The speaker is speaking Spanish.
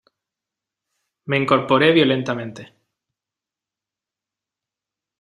me incorporé violentamente: